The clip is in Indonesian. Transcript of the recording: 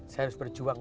saya harus berjuang